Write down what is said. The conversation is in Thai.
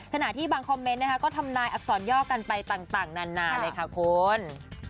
ขณะที่บางคอมเมนต์นะคะก็ทำนายอักษรย่อกันไปต่างนานาเลยค่ะคุณ